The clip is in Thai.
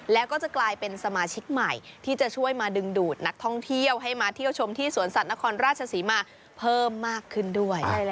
แล้วก็จะกลายเป็นสมาชิกใหม่ที่จะช่วยมาดึงดูดนักท่องเที่ยวให้มาเที่ยวชมที่สวนสัตว์นครราชศรีมาเพิ่มมากขึ้นด้วย